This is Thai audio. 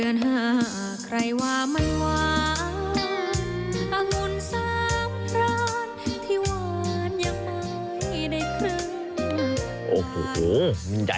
น้ำพึงเดือนหาใครว่ามันหวาน